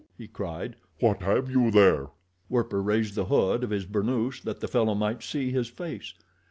he cried. "What have you there?" Werper raised the hood of his burnoose that the fellow might see his face.